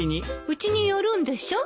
うちに寄るんでしょ？